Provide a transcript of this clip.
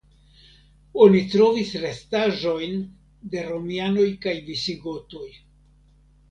Oni trovis restaĵojn de romianoj kaj visigotoj.